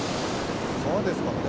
川ですからね